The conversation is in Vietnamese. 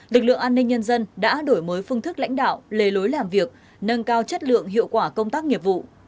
lực lượng an ninh nhân dân đã đổi mới phương thức lãnh đạo lề lối làm việc nâng cao chất lượng hiệu quả công tác nghiệp vụ